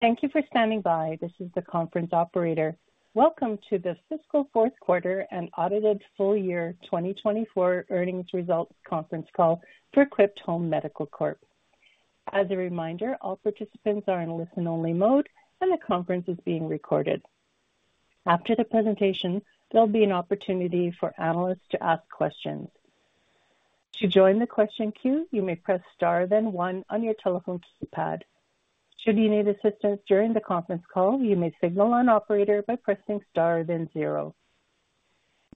Thank you for standing by. This is the conference operator. Welcome to the fiscal Q4 and audited full year 2024 earnings results conference call for Quipt Home Medical Corp. As a reminder, all participants are in listen-only mode, and the conference is being recorded. After the presentation, there'll be an opportunity for analysts to ask questions. To join the question queue, you may press star then one on your telephone keypad. Should you need assistance during the conference call, you may signal the operator by pressing star then zero.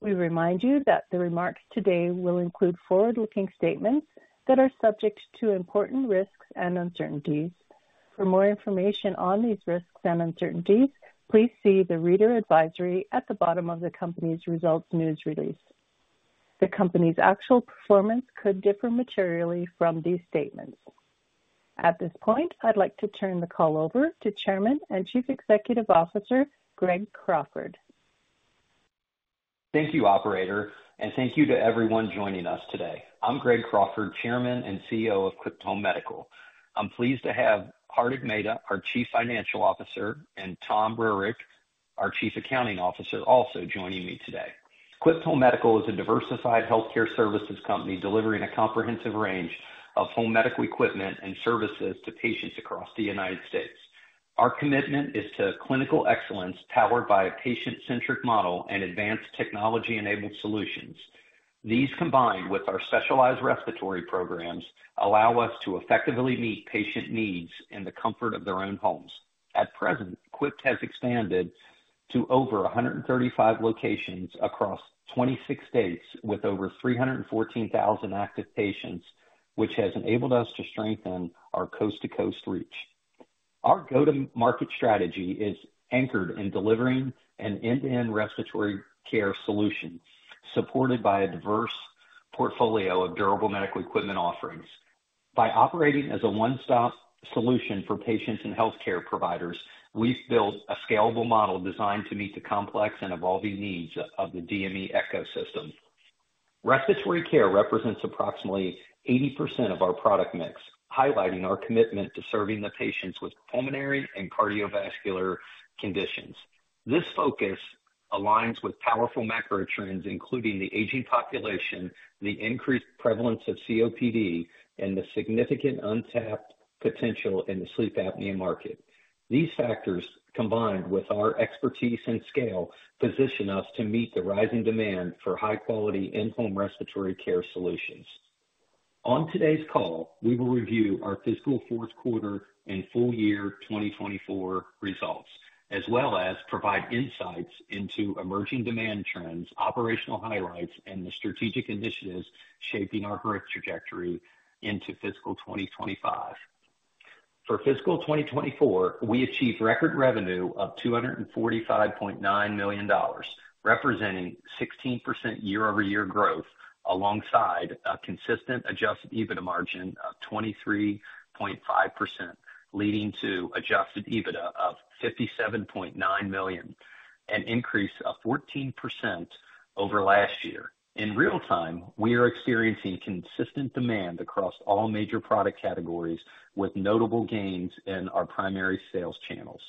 We remind you that the remarks today will include forward-looking statements that are subject to important risks and uncertainties. For more information on these risks and uncertainties, please see the reader advisory at the bottom of the company's results news release. The company's actual performance could differ materially from these statements. At this point, I'd like to turn the call over to Chairman and Chief Executive Officer Greg Crawford. Thank you, operator, and thank you to everyone joining us today. I'm Greg Crawford, Chairman and CEO of Quipt Home Medical. I'm pleased to have Hardik Mehta, our Chief Financial Officer, and Tom Rurik, our Chief Accounting Officer, also joining me today. Quipt Home Medical is a diversified healthcare services company delivering a comprehensive range of home medical equipment and services to patients across the United States. Our commitment is to clinical excellence powered by a patient-centric model and advanced technology-enabled solutions. These, combined with our specialized respiratory programs, allow us to effectively meet patient needs in the comfort of their own homes. At present, Quipt has expanded to over 135 locations across 26 states with over 314,000 active patients, which has enabled us to strengthen our coast-to-coast reach. Our go-to-market strategy is anchored in delivering an end-to-end respiratory care solution supported by a diverse portfolio of durable medical equipment offerings. By operating as a one-stop solution for patients and healthcare providers, we've built a scalable model designed to meet the complex and evolving needs of the DME ecosystem. Respiratory care represents approximately 80% of our product mix, highlighting our commitment to serving the patients with pulmonary and cardiovascular conditions. This focus aligns with powerful macro trends, including the aging population, the increased prevalence of COPD, and the significant untapped potential in the sleep apnea market. These factors, combined with our expertise and scale, position us to meet the rising demand for high-quality in-home respiratory care solutions. On today's call, we will review our fiscal Q4 and full year 2024 results, as well as provide insights into emerging demand trends, operational highlights, and the strategic initiatives shaping our growth trajectory into fiscal 2025. For fiscal 2024, we achieved record revenue of $245.9 million, representing 16% year-over-year growth alongside a consistent adjusted EBITDA margin of 23.5%, leading to adjusted EBITDA of $57.9 million, an increase of 14% over last year. In real time, we are experiencing consistent demand across all major product categories with notable gains in our primary sales channels.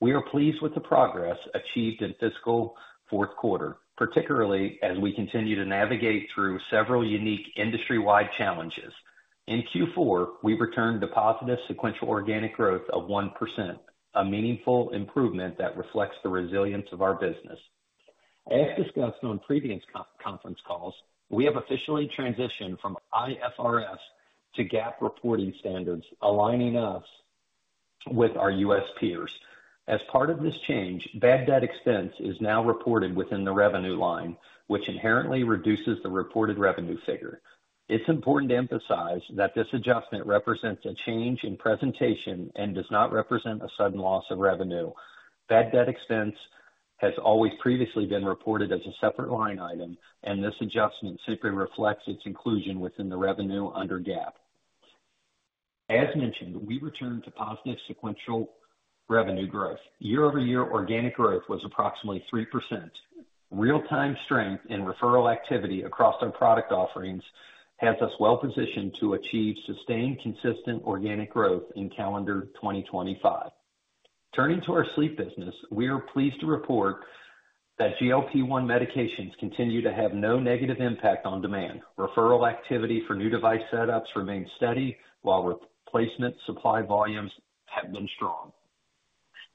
We are pleased with the progress achieved in fiscal Q4, particularly as we continue to navigate through several unique industry-wide challenges. In Q4, we returned to positive sequential organic growth of 1%, a meaningful improvement that reflects the resilience of our business. As discussed on previous conference calls, we have officially transitioned from IFRS to GAAP reporting standards, aligning us with our U.S. peers. As part of this change, bad debt expense is now reported within the revenue line, which inherently reduces the reported revenue figure. It's important to emphasize that this adjustment represents a change in presentation and does not represent a sudden loss of revenue. Bad debt expense has always previously been reported as a separate line item, and this adjustment simply reflects its inclusion within the revenue under GAAP. As mentioned, we returned to positive sequential revenue growth. Year-over-year organic growth was approximately 3%. Real-time strength in referral activity across our product offerings has us well positioned to achieve sustained consistent organic growth in calendar 2025. Turning to our sleep business, we are pleased to report that GLP-1 medications continue to have no negative impact on demand. Referral activity for new device setups remains steady while replacement supply volumes have been strong.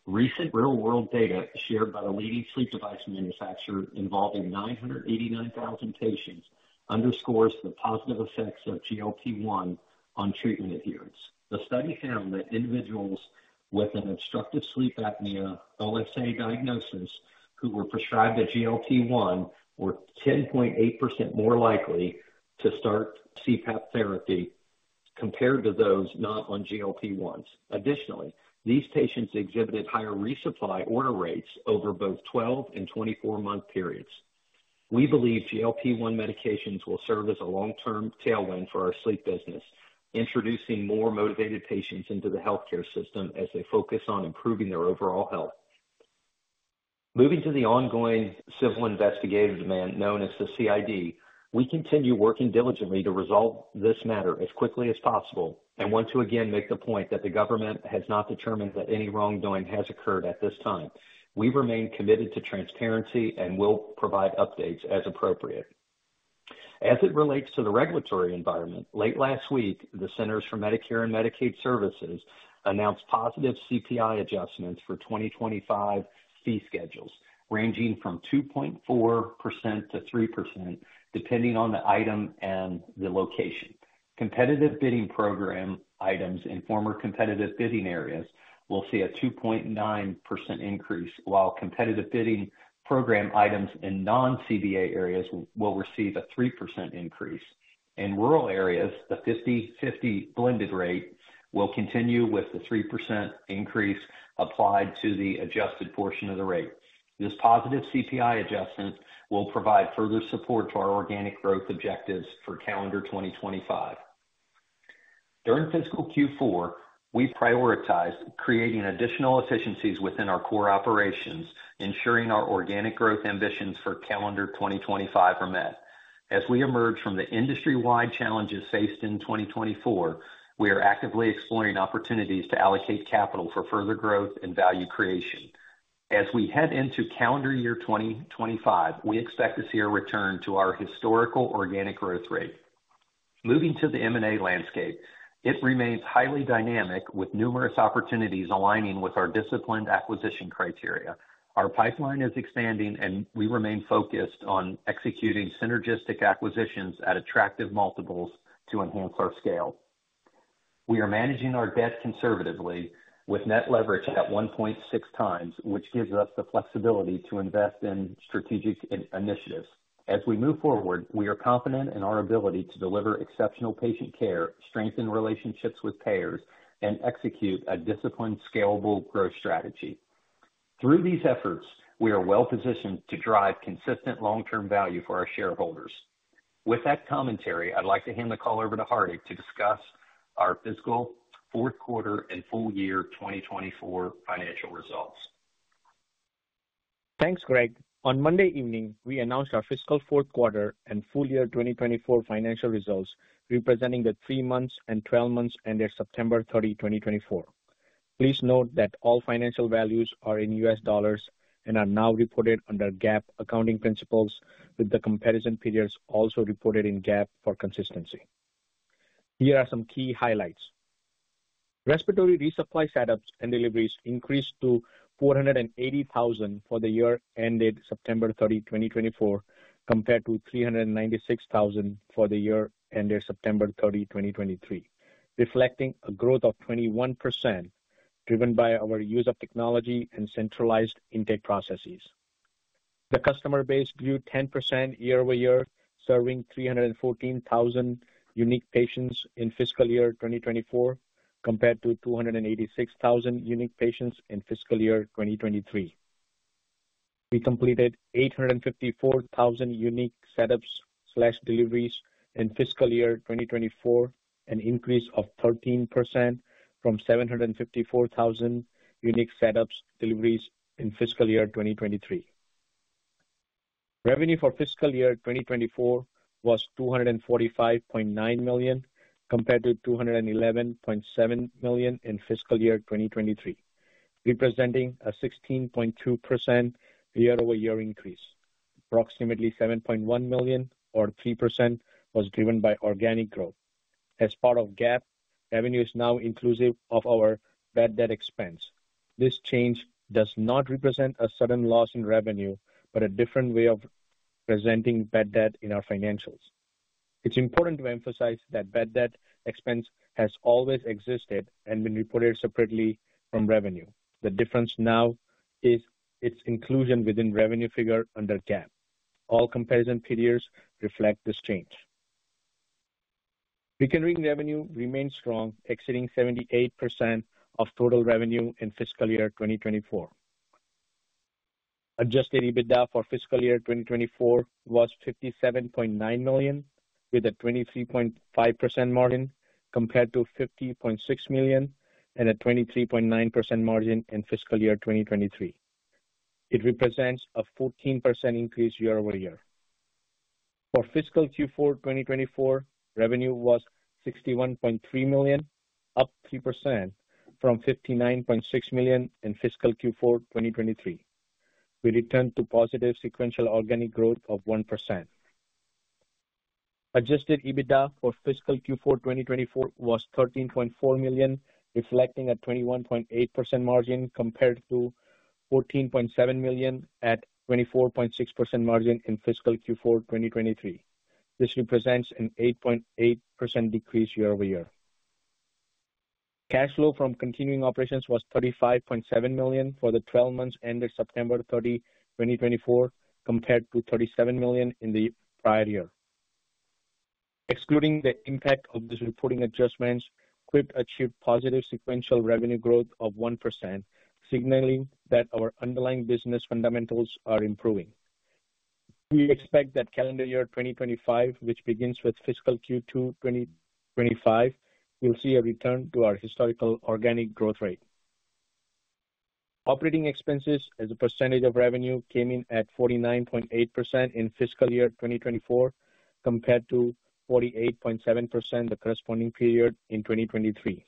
Recent real-world data shared by the leading sleep device manufacturer involving 989,000 patients underscores the positive effects of GLP-1 on treatment adherence. The study found that individuals with an obstructive sleep apnea (OSA) diagnosis who were prescribed a GLP-1 were 10.8% more likely to start CPAP therapy compared to those not on GLP-1s. Additionally, these patients exhibited higher resupply order rates over both 12 and 24-month periods. We believe GLP-1 medications will serve as a long-term tailwind for our sleep business, introducing more motivated patients into the healthcare system as they focus on improving their overall health. Moving to the ongoing Civil Investigative Demand known as the CID, we continue working diligently to resolve this matter as quickly as possible and want to again make the point that the government has not determined that any wrongdoing has occurred at this time. We remain committed to transparency and will provide updates as appropriate. As it relates to the regulatory environment, late last week, the Centers for Medicare & Medicaid Services announced positive CPI adjustments for 2025 fee schedules, ranging from 2.4%-3% depending on the item and the location. Competitive bidding program items in former competitive bidding areas will see a 2.9% increase, while competitive bidding program items in non-CBA areas will receive a 3% increase. In rural areas, the 50/50 blended rate will continue with the 3% increase applied to the adjusted portion of the rate. This positive CPI adjustment will provide further support to our organic growth objectives for calendar 2025. During fiscal Q4, we prioritized creating additional efficiencies within our core operations, ensuring our organic growth ambitions for calendar 2025 are met. As we emerge from the industry-wide challenges faced in 2024, we are actively exploring opportunities to allocate capital for further growth and value creation. As we head into calendar year 2025, we expect to see a return to our historical organic growth rate. Moving to the M&A landscape, it remains highly dynamic with numerous opportunities aligning with our disciplined acquisition criteria. Our pipeline is expanding, and we remain focused on executing synergistic acquisitions at attractive multiples to enhance our scale. We are managing our debt conservatively with net leverage at 1.6 times, which gives us the flexibility to invest in strategic initiatives. As we move forward, we are confident in our ability to deliver exceptional patient care, strengthen relationships with payers, and execute a disciplined, scalable growth strategy. Through these efforts, we are well positioned to drive consistent long-term value for our shareholders. With that commentary, I'd like to hand the call over to Hardik to discuss our fiscal Q4 and full year 2024 financial results. Thanks, Greg. On Monday evening, we announced our fiscal Q4 and full year 2024 financial results, representing the three months and 12 months ended September 30, 2024. Please note that all financial values are in U.S. dollars and are now reported under GAAP accounting principles, with the comparison periods also reported in GAAP for consistency. Here are some key highlights. Respiratory resupply setups and deliveries increased to 480,000 for the year ended September 30, 2024, compared to 396,000 for the year ended September 30, 2023, reflecting a growth of 21% driven by our use of technology and centralized intake processes. The customer base grew 10% year-over-year, serving 314,000 unique patients in fiscal year 2024, compared to 286,000 unique patients in fiscal year 2023. We completed 854,000 unique setups/deliveries in fiscal year 2024, an increase of 13% from 754,000 unique setups/deliveries in fiscal year 2023. Revenue for fiscal year 2024 was $245.9 million compared to $211.7 million in fiscal year 2023, representing a 16.2% year-over-year increase. Approximately $7.1 million, or 3%, was driven by organic growth. As part of GAAP, revenue is now inclusive of our bad debt expense. This change does not represent a sudden loss in revenue but a different way of presenting bad debt in our financials. It's important to emphasize that bad debt expense has always existed and been reported separately from revenue. The difference now is its inclusion within revenue figure under GAAP. All comparison periods reflect this change. Recurring revenue remains strong, exceeding 78% of total revenue in fiscal year 2024. Adjusted EBITDA for fiscal year 2024 was $57.9 million, with a 23.5% margin compared to $50.6 million and a 23.9% margin in fiscal year 2023. It represents a 14% increase year-over-year. For fiscal Q4 2024, revenue was $61.3 million, up 3% from $59.6 million in fiscal Q4 2023. We returned to positive sequential organic growth of 1%. Adjusted EBITDA for fiscal Q4 2024 was $13.4 million, reflecting a 21.8% margin compared to $14.7 million at 24.6% margin in fiscal Q4 2023. This represents an 8.8% decrease year-over-year. Cash flow from continuing operations was $35.7 million for the 12 months ended September 30, 2024, compared to $37 million in the prior year. Excluding the impact of these reporting adjustments, Quipt achieved positive sequential revenue growth of 1%, signaling that our underlying business fundamentals are improving. We expect that calendar year 2025, which begins with fiscal Q2 2025, will see a return to our historical organic growth rate. Operating expenses, as a percentage of revenue, came in at 49.8% in fiscal year 2024 compared to 48.7% the corresponding period in 2023.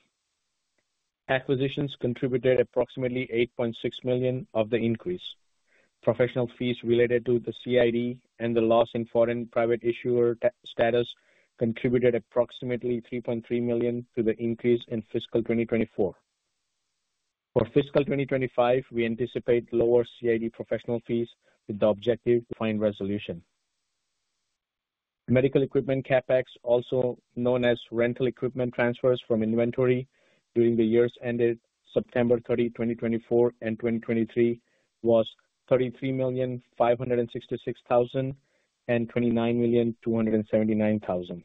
Acquisitions contributed approximately $8.6 million of the increase. Professional fees related to the CID and the loss in foreign private issuer status contributed approximately $3.3 million to the increase in fiscal 2024. For fiscal 2025, we anticipate lower CID professional fees with the objective to find resolution. Medical equipment CapEx, also known as rental equipment transfers from inventory during the years ended September 30, 2024, and 2023, was $33,566,000 and $29,279,000.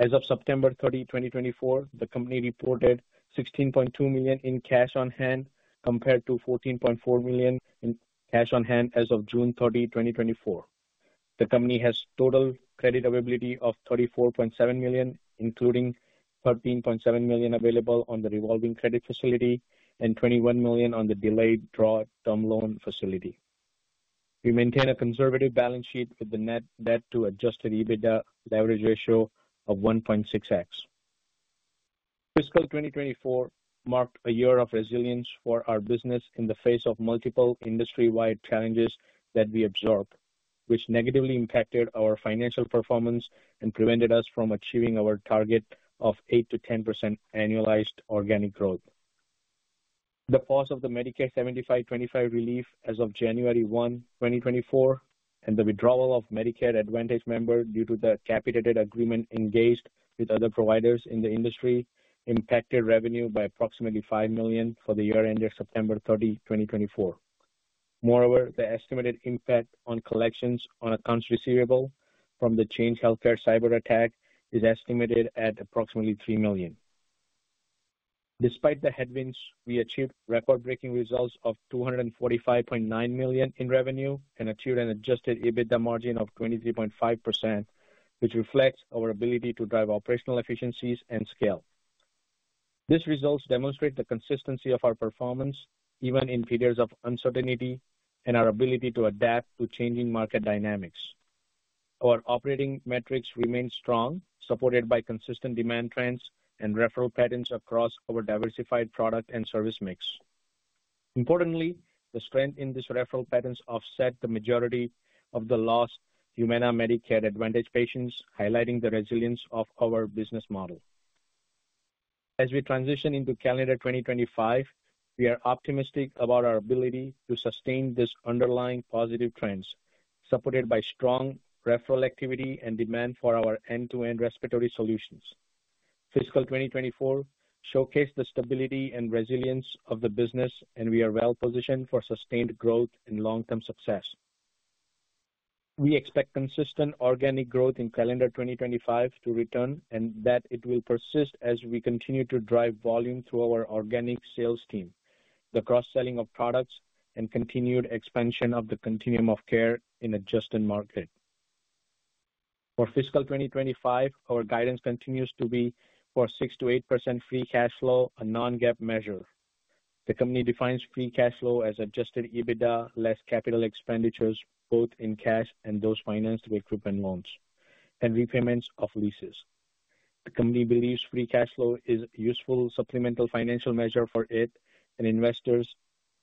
As of September 30, 2024, the company reported $16.2 million in cash on hand compared to $14.4 million in cash on hand as of June 30, 2024. The company has total credit availability of $34.7 million, including $13.7 million available on the revolving credit facility and $21 million on the delayed draw term loan facility. We maintain a conservative balance sheet with the net debt to adjusted EBITDA leverage ratio of 1.6x. Fiscal 2024 marked a year of resilience for our business in the face of multiple industry-wide challenges that we observed, which negatively impacted our financial performance and prevented us from achieving our target of 8%-10% annualized organic growth. The pause of the Medicare 75/25 relief as of January 1, 2024, and the withdrawal of Medicare Advantage members due to the capitated agreement engaged with other providers in the industry impacted revenue by approximately $5 million for the year ended September 30, 2024. Moreover, the estimated impact on collections on accounts receivable from the Change Healthcare cyber attack is estimated at approximately $3 million. Despite the headwinds, we achieved record-breaking results of $245.9 million in revenue and achieved an adjusted EBITDA margin of 23.5%, which reflects our ability to drive operational efficiencies and scale. These results demonstrate the consistency of our performance even in periods of uncertainty and our ability to adapt to changing market dynamics. Our operating metrics remain strong, supported by consistent demand trends and referral patterns across our diversified product and service mix. Importantly, the strength in these referral patterns offsets the majority of the loss of Humana Medicare Advantage patients, highlighting the resilience of our business model. As we transition into calendar 2025, we are optimistic about our ability to sustain these underlying positive trends, supported by strong referral activity and demand for our end-to-end respiratory solutions. Fiscal 2024 showcased the stability and resilience of the business, and we are well positioned for sustained growth and long-term success. We expect consistent organic growth in calendar 2025 to return and that it will persist as we continue to drive volume through our organic sales team, the cross-selling of products, and continued expansion of the continuum of care in adjacent market. For fiscal 2025, our guidance continues to be for 6%-8% free cash flow, a non-GAAP measure. The company defines free cash flow as Adjusted EBITDA less capital expenditures, both in cash and those financed with group and loans, and repayments of leases. The company believes free cash flow is a useful supplemental financial measure for it and investors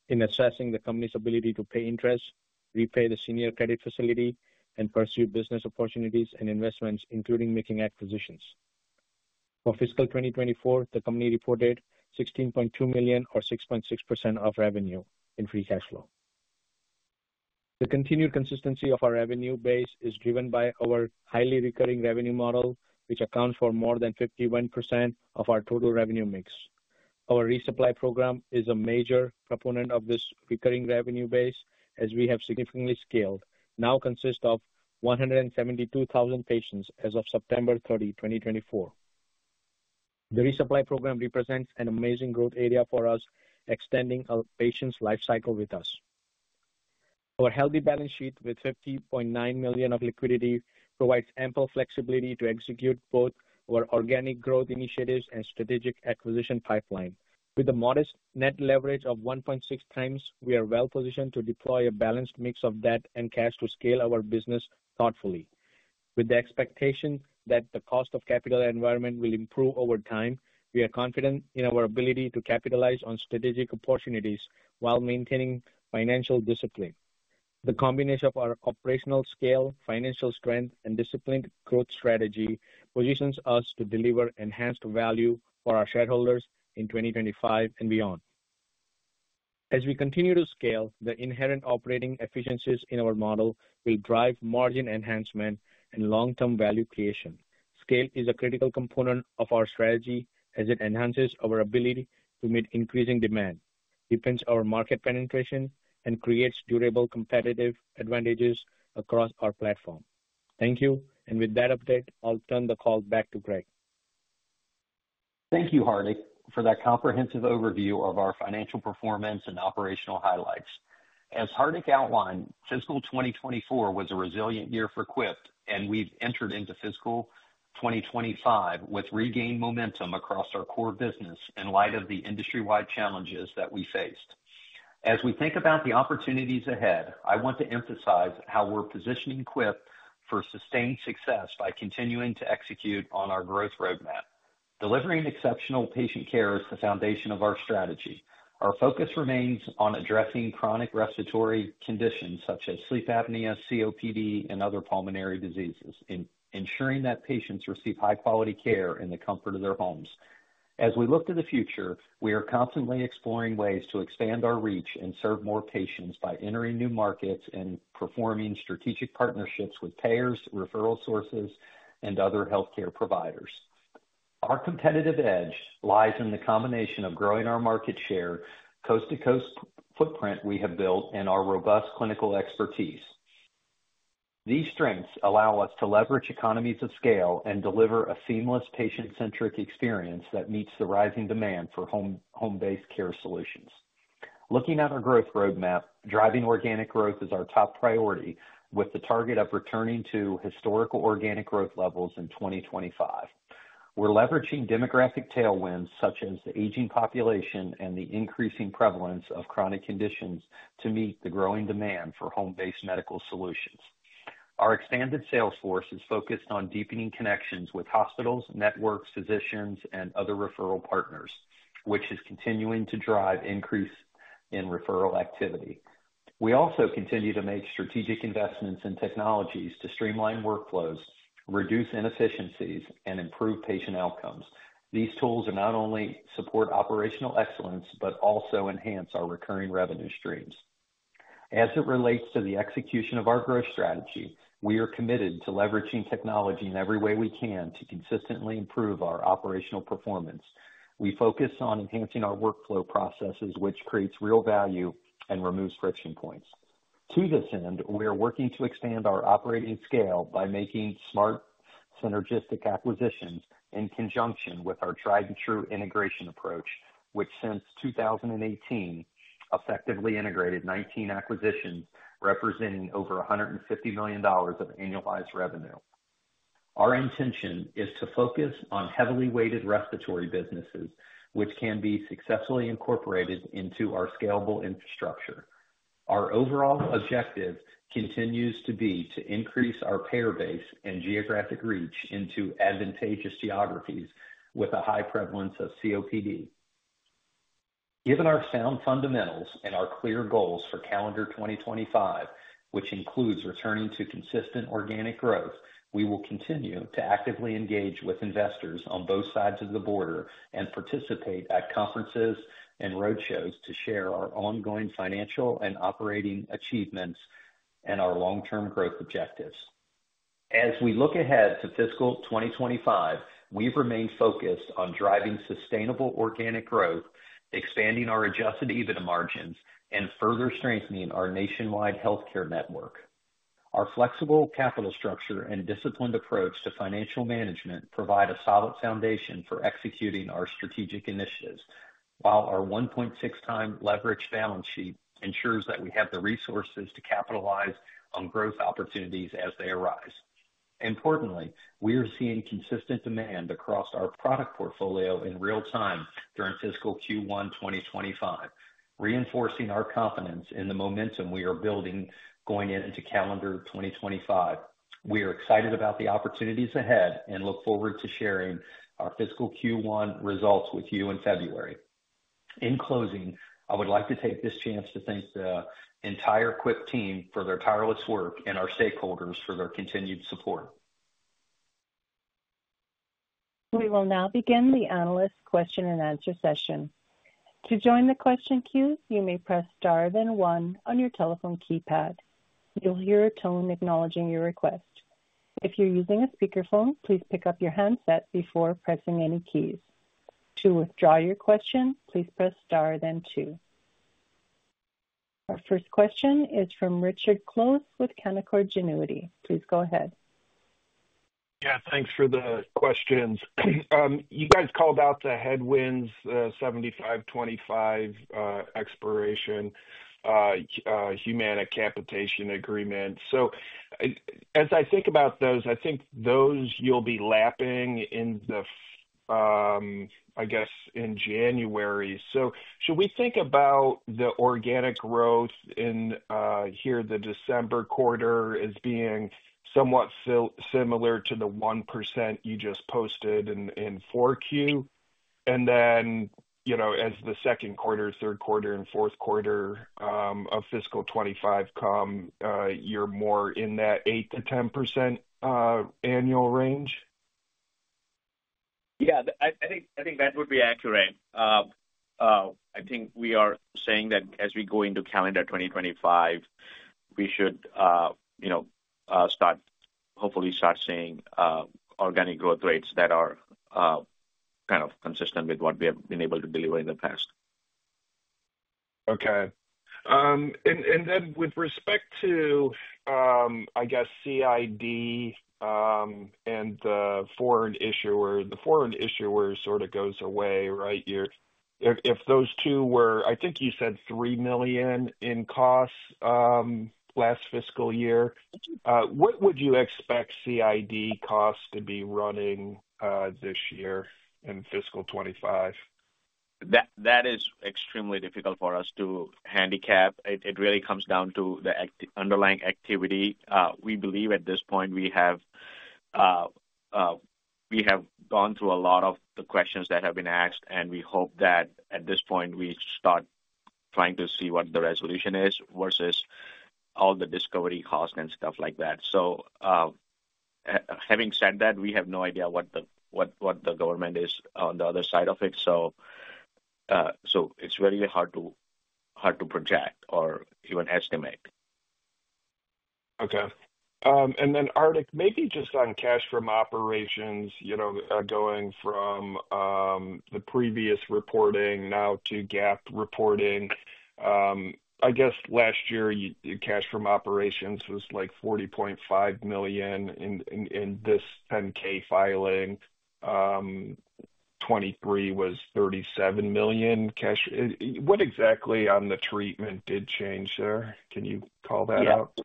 in assessing the company's ability to pay interest, repay the senior credit facility, and pursue business opportunities and investments, including making acquisitions. For fiscal 2024, the company reported $16.2 million, or 6.6% of revenue, in free cash flow. The continued consistency of our revenue base is driven by our highly recurring revenue model, which accounts for more than 51% of our total revenue mix. Our resupply program is a major proponent of this recurring revenue base, as we have significantly scaled, now consisting of 172,000 patients as of September 30, 2024. The resupply program represents an amazing growth area for us, extending our patient's lifecycle with us. Our healthy balance sheet with $50.9 million of liquidity provides ample flexibility to execute both our organic growth initiatives and strategic acquisition pipeline. With a modest net leverage of 1.6 times, we are well positioned to deploy a balanced mix of debt and cash to scale our business thoughtfully. With the expectation that the cost of capital environment will improve over time, we are confident in our ability to capitalize on strategic opportunities while maintaining financial discipline. The combination of our operational scale, financial strength, and disciplined growth strategy positions us to deliver enhanced value for our shareholders in 2025 and beyond. As we continue to scale, the inherent operating efficiencies in our model will drive margin enhancement and long-term value creation. Scale is a critical component of our strategy as it enhances our ability to meet increasing demand, deepens our market penetration, and creates durable competitive advantages across our platform. Thank you, and with that update, I'll turn the call back to Greg. Thank you, Hardik, for that comprehensive overview of our financial performance and operational highlights. As Hardik outlined, fiscal 2024 was a resilient year for Quipt, and we've entered into fiscal 2025 with regained momentum across our core business in light of the industry-wide challenges that we faced. As we think about the opportunities ahead, I want to emphasize how we're positioning Quipt for sustained success by continuing to execute on our growth roadmap. Delivering exceptional patient care is the foundation of our strategy. Our focus remains on addressing chronic respiratory conditions such as sleep apnea, COPD, and other pulmonary diseases, ensuring that patients receive high-quality care in the comfort of their homes. As we look to the future, we are constantly exploring ways to expand our reach and serve more patients by entering new markets and performing strategic partnerships with payers, referral sources, and other healthcare providers. Our competitive edge lies in the combination of growing our market share, coast-to-coast footprint we have built, and our robust clinical expertise. These strengths allow us to leverage economies of scale and deliver a seamless patient-centric experience that meets the rising demand for home-based care solutions. Looking at our growth roadmap, driving organic growth is our top priority, with the target of returning to historical organic growth levels in 2025. We're leveraging demographic tailwinds such as the aging population and the increasing prevalence of chronic conditions to meet the growing demand for home-based medical solutions. Our expanded sales force is focused on deepening connections with hospitals, networks, physicians, and other referral partners, which is continuing to drive increase in referral activity. We also continue to make strategic investments in technologies to streamline workflows, reduce inefficiencies, and improve patient outcomes. These tools not only support operational excellence but also enhance our recurring revenue streams. As it relates to the execution of our growth strategy, we are committed to leveraging technology in every way we can to consistently improve our operational performance. We focus on enhancing our workflow processes, which creates real value and removes friction points. To this end, we are working to expand our operating scale by making smart, synergistic acquisitions in conjunction with our tried-and-true integration approach, which since 2018 effectively integrated 19 acquisitions, representing over $150 million of annualized revenue. Our intention is to focus on heavily weighted respiratory businesses, which can be successfully incorporated into our scalable infrastructure. Our overall objective continues to be to increase our payer base and geographic reach into advantageous geographies with a high prevalence of COPD. Given our sound fundamentals and our clear goals for calendar 2025, which includes returning to consistent organic growth, we will continue to actively engage with investors on both sides of the border and participate at conferences and roadshows to share our ongoing financial and operating achievements and our long-term growth objectives. As we look ahead to fiscal 2025, we've remained focused on driving sustainable organic growth, expanding our Adjusted EBITDA margins, and further strengthening our nationwide healthcare network. Our flexible capital structure and disciplined approach to financial management provide a solid foundation for executing our strategic initiatives, while our 1.6x leverage balance sheet ensures that we have the resources to capitalize on growth opportunities as they arise. Importantly, we are seeing consistent demand across our product portfolio in real time during fiscal Q1 2025, reinforcing our confidence in the momentum we are building going into calendar 2025. We are excited about the opportunities ahead and look forward to sharing our fiscal Q1 results with you in February. In closing, I would like to take this chance to thank the entire Quipt team for their tireless work and our stakeholders for their continued support. We will now begin the analyst question and answer session. To join the question queue, you may press star then one on your telephone keypad. You'll hear a tone acknowledging your request. If you're using a speakerphone, please pick up your handset before pressing any keys. To withdraw your question, please press star then two. Our first question is from Richard Close with Canaccord Genuity. Please go ahead. Yeah, thanks for the questions. You guys called out the headwinds, the 75/25 expiration, Humana capitation agreement. So as I think about those, I think those you'll be lapping in the, I guess, in January. So should we think about the organic growth in here the December quarter as being somewhat similar to the 1% you just posted in four Q? And then, you know, as the second quarter, Q3, and Q4 of fiscal 25 come, you're more in that 8%-10% annual range? Yeah, I think that would be accurate. I think we are saying that as we go into calendar 2025, we should, you know, start hopefully seeing organic growth rates that are kind of consistent with what we have been able to deliver in the past. Okay. And then with respect to, I guess, CID and the foreign issuer, the foreign issuer sort of goes away, right? If those two were, I think you said $3 million in costs last fiscal year, what would you expect CID costs to be running this year in fiscal 2025? That is extremely difficult for us to handicap. It really comes down to the underlying activity. We believe at this point we have gone through a lot of the questions that have been asked, and we hope that at this point we start trying to see what the resolution is versus all the discovery costs and stuff like that. So having said that, we have no idea what the government is on the other side of it. So it's really hard to project or even estimate. Okay. And then, Hardik, maybe just on cash from operations, you know, going from the previous reporting now to GAAP reporting. I guess last year cash from operations was like $40.5 million in this 10-K filing. 2023 was $37 million cash. What exactly on the treatment did change there? Can you call that out? Yeah.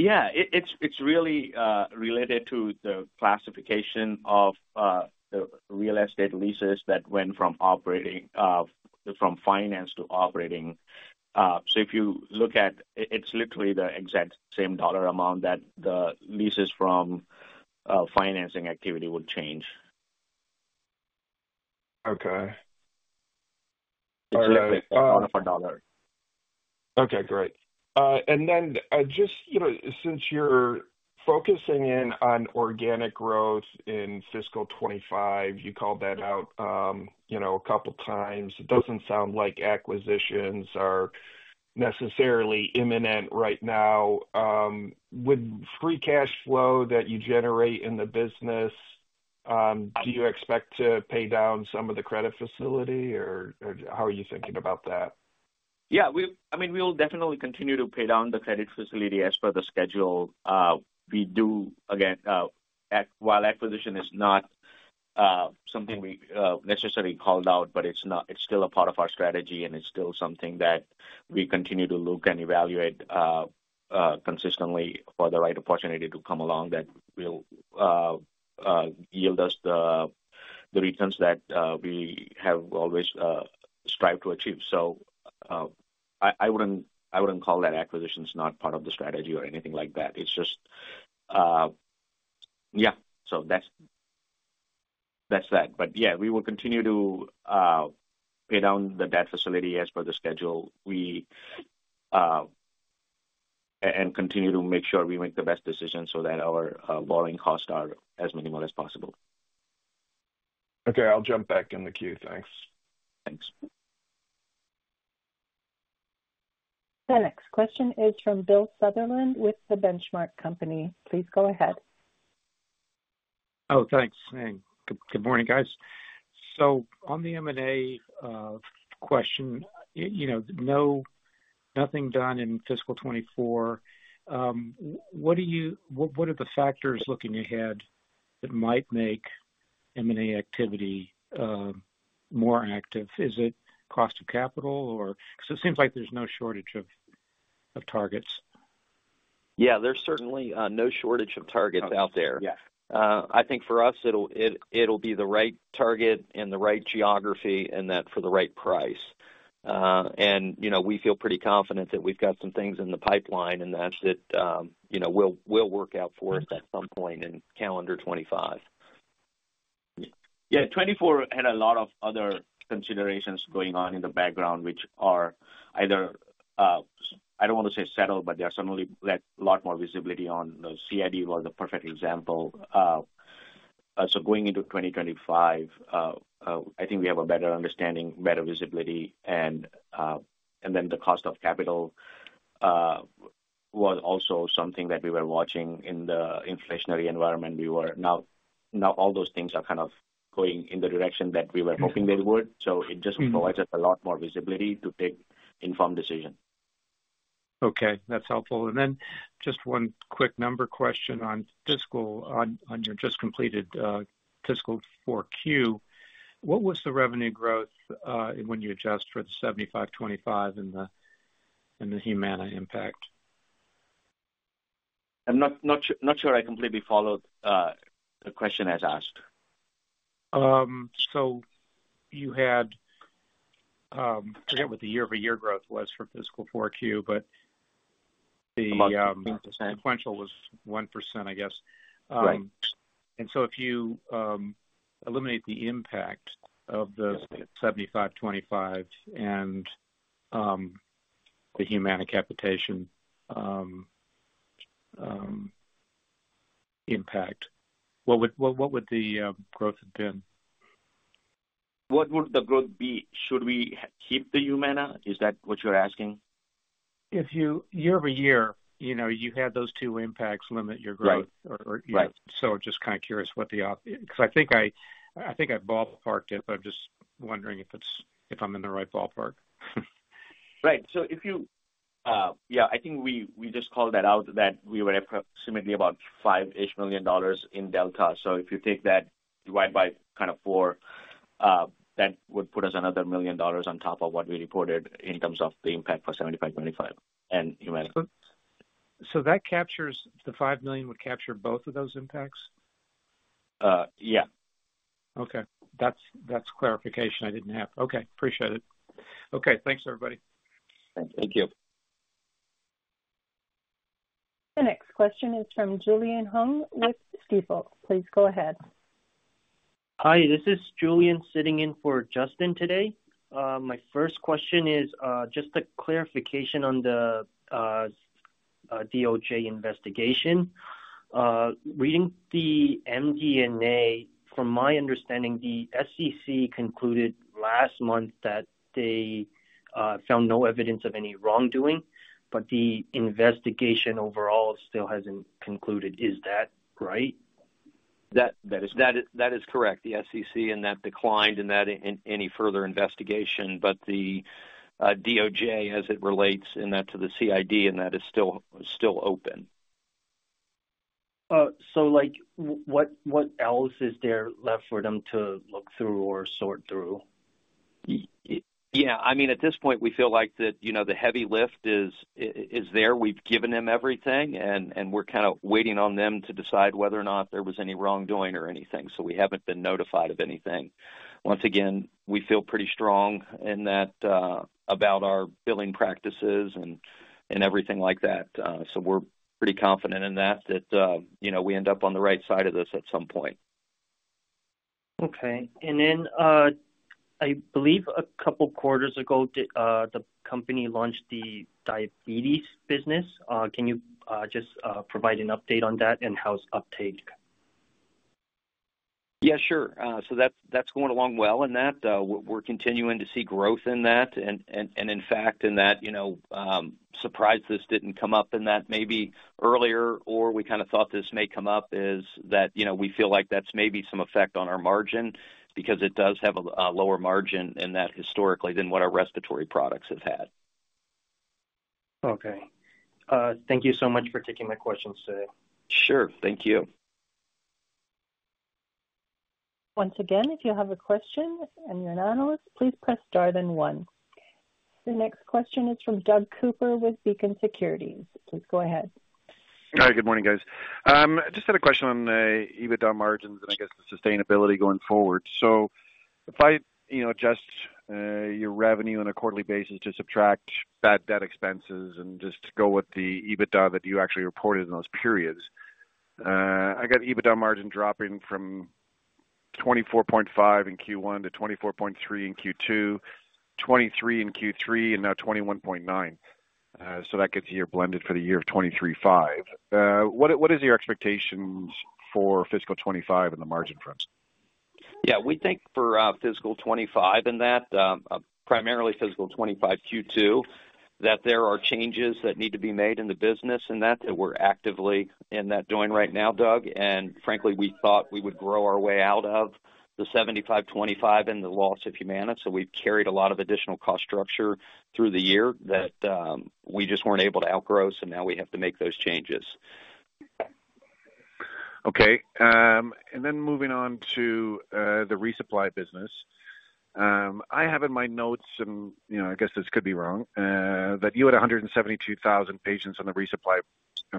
Yeah, it's really related to the classification of the real estate leases that went from operating to finance to operating. So if you look at, it's literally the exact same dollar amount that the leases from financing activity would change. Okay. It's really a lot of a dollar. Okay, great. And then just, you know, since you're focusing in on organic growth in fiscal 2025, you called that out, you know, a couple of times. It doesn't sound like acquisitions are necessarily imminent right now. With free cash flow that you generate in the business, do you expect to pay down some of the credit facility, or how are you thinking about that? Yeah, I mean, we will definitely continue to pay down the credit facility as per the schedule. We do, again, while acquisition is not something we necessarily called out, but it's still a part of our strategy, and it's still something that we continue to look and evaluate consistently for the right opportunity to come along that will yield us the returns that we have always strived to achieve. So I wouldn't call that acquisitions not part of the strategy or anything like that. It's just, yeah, so that's that. But yeah, we will continue to pay down the debt facility as per the schedule and continue to make sure we make the best decision so that our borrowing costs are as minimal as possible. Okay, I'll jump back in the queue. Thanks. Thanks. The next question is from Bill Sutherland with The Benchmark Company. Please go ahead. Oh, thanks. Hey, good morning, guys. So on the M&A question, you know, nothing done in fiscal 2024, what are the factors looking ahead that might make M&A activity more active? Is it cost of capital or because it seems like there's no shortage of targets? Yeah, there's certainly no shortage of targets out there. I think for us, it'll be the right target and the right geography and that for the right price. And, you know, we feel pretty confident that we've got some things in the pipeline and that it, you know, will work out for us at some point in calendar 2025. Yeah, 2024 had a lot of other considerations going on in the background, which are either, I don't want to say settled, but there are certainly a lot more visibility on the CID, which was a perfect example. So going into 2025, I think we have a better understanding, better visibility, and then the cost of capital was also something that we were watching in the inflationary environment. We're now all those things are kind of going in the direction that we were hoping they would. So it just provides us a lot more visibility to take informed decisions. Okay, that's helpful. And then just one quick number question on fiscal, on your just completed fiscal Q4. What was the revenue growth when you adjust for the 75/25 and the Humana impact? I'm not sure I completely followed the question as asked. So you had, I forget what the year-over-year growth was for fiscal Q4, but the sequential was 1%, I guess. Right. And so if you eliminate the impact of the 75/25 and the Humana capitation impact, what would the growth have been? What would the growth be? Should we keep the Humana? Is that what you're asking? If you year-over-year, you know, you have those two impacts limit your growth. Right. Or, you know, so just kind of curious what the op, because I think I ballparked it, but I'm just wondering if it's, if I'm in the right ballpark. Right. So if you, yeah, I think we just called that out that we were approximately about $5-ish million in delta. So if you take that divide by kind of four, that would put us another million dollars on top of what we reported in terms of the impact for 75/25 and Humana. So that captures the $5 million would capture both of those impacts? Yeah. Okay. That's clarification I didn't have. Okay, appreciate it. Okay, thanks, everybody. Thank you. The next question is from Julian Hung with Stifel. Please go ahead. Hi, this is Julian sitting in for Justin today. My first question is just a clarification on the DOJ investigation. Reading the MD&A, from my understanding, the SEC concluded last month that they found no evidence of any wrongdoing, but the investigation overall still hasn't concluded. Is that right? That is correct. The SEC declined any further investigation, but the DOJ as it relates to the CID is still open. So like what else is there left for them to look through or sort through? Yeah, I mean, at this point, we feel like that, you know, the heavy lift is there. We've given them everything, and we're kind of waiting on them to decide whether or not there was any wrongdoing or anything. So we haven't been notified of anything. Once again, we feel pretty strong in that about our billing practices and everything like that. So we're pretty confident in that, that, you know, we end up on the right side of this at some point. Okay, and then I believe a couple of quarters ago, the company launched the diabetes business. Can you just provide an update on that and how's uptake? Yeah, sure. So that's going along well in that. We're continuing to see growth in that. And in fact, in that, you know, surprisingly this didn't come up in that maybe earlier, or we kind of thought this may come up is that, you know, we feel like that's maybe some effect on our margin because it does have a lower margin in that historically than what our respiratory products have had. Okay. Thank you so much for taking my questions today. Sure. Thank you. Once again, if you have a question and you're an analyst, please press star then one. The next question is from Doug Cooper with Beacon Securities. Please go ahead. Hi, good morning, guys. I just had a question on EBITDA margins and I guess the sustainability going forward. So if I, you know, adjust your revenue on a quarterly basis to subtract bad debt expenses and just go with the EBITDA that you actually reported in those periods, I got EBITDA margin dropping from 24.5% in Q1 to 24.3% in Q2, 23% in Q3, and now 21.9%. So that gets a blended for the year of 2023-2025. What is your expectations for fiscal 2025 in the margin front? Yeah, we think for fiscal 2025, in that primarily fiscal 2025-2027, that there are changes that need to be made in the business, and that we're actively doing right now, Doug. And frankly, we thought we would grow our way out of the 75/25 and the loss of Humana. So we've carried a lot of additional cost structure through the year that we just weren't able to outgrow, so now we have to make those changes. Okay. And then moving on to the resupply business, I have in my notes and, you know, I guess this could be wrong, that you had 172,000 patients on the resupply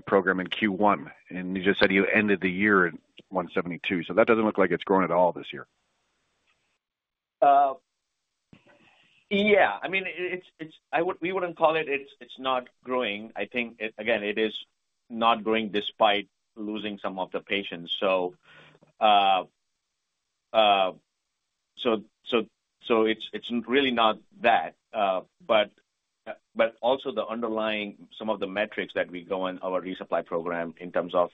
program in Q1, and you just said you ended the year at 172. So that doesn't look like it's growing at all this year. Yeah. I mean, it's, I would, we wouldn't call it, it's not growing. I think, again, it is not growing despite losing some of the patients. So it's really not that, but also the underlying some of the metrics that we go in our resupply program in terms of,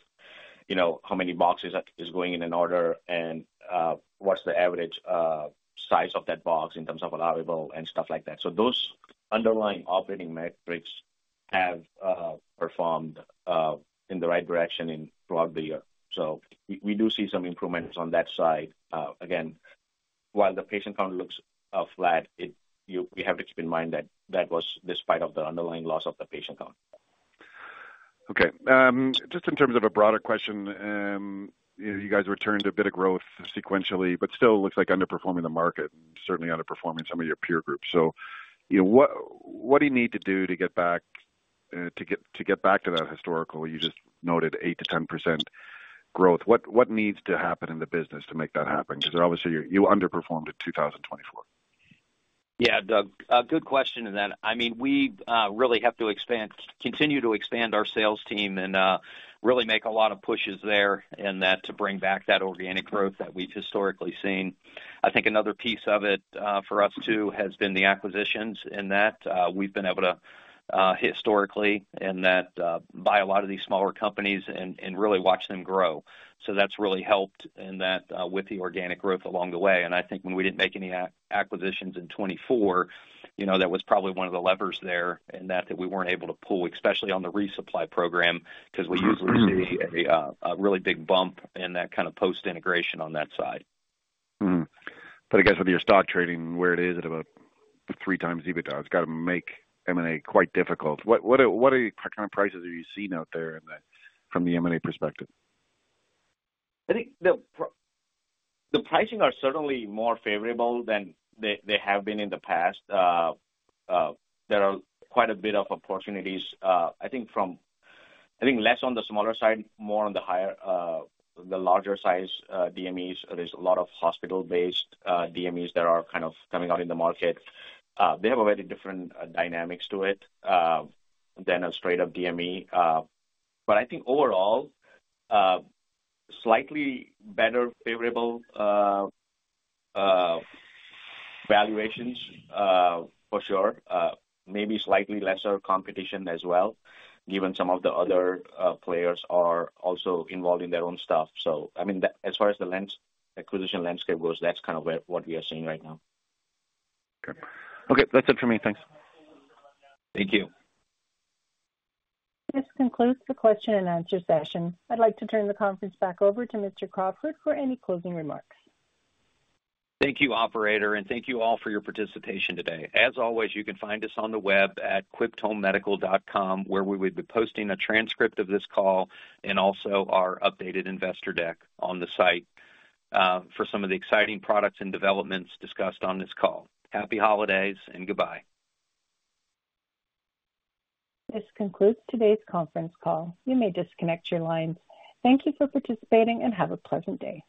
you know, how many boxes is going in an order and what's the average size of that box in terms of allowable and stuff like that. So those underlying operating metrics have performed in the right direction throughout the year. So we do see some improvements on that side. Again, while the patient count looks flat, we have to keep in mind that that was despite of the underlying loss of the patient count. Okay. Just in terms of a broader question, you guys returned a bit of growth sequentially, but still looks like underperforming the market and certainly underperforming some of your peer groups. So, you know, what do you need to do to get back to that historical? You just noted 8% to 10% growth. What needs to happen in the business to make that happen? Because obviously you underperformed in 2024. Yeah, Doug, good question in that. I mean, we really have to expand, continue to expand our sales team and really make a lot of pushes there in that to bring back that organic growth that we've historically seen. I think another piece of it for us too has been the acquisitions in that we've been able to historically in that buy a lot of these smaller companies and really watch them grow, so that's really helped in that with the organic growth along the way, and I think when we didn't make any acquisitions in 2024, you know, that was probably one of the levers there in that that we weren't able to pull, especially on the resupply program, because we usually see a really big bump in that kind of post-integration on that side. But I guess with your stock trading, where it is at about three times EBITDA, it's got to make M&A quite difficult. What kind of prices are you seeing out there from the M&A perspective? I think the pricing are certainly more favorable than they have been in the past. There are quite a bit of opportunities, I think from, I think less on the smaller side, more on the higher, the larger size DMEs. There's a lot of hospital-based DMEs that are kind of coming out in the market. They have a very different dynamics to it than a straight-up DME. But I think overall, slightly better favorable valuations for sure. Maybe slightly lesser competition as well, given some of the other players are also involved in their own stuff. So, I mean, as far as the acquisition landscape goes, that's kind of what we are seeing right now. Okay. Okay, that's it for me. Thanks. Thank you. This concludes the question and answer session. I'd like to turn the conference back over to Mr. Crawford for any closing remarks. Thank you, operator, and thank you all for your participation today. As always, you can find us on the web at quipthomemedical.com, where we will be posting a transcript of this call and also our updated investor deck on the site for some of the exciting products and developments discussed on this call. Happy holidays and goodbye. This concludes today's conference call. You may disconnect your lines. Thank you for participating and have a pleasant day.